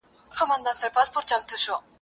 نیلی د خوشحال خان چي په دې غرونو کي کچل دی ,